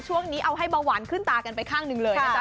ช่วงนี้เอาให้เบาหวานขึ้นตากันไปข้างหนึ่งเลยนะจ๊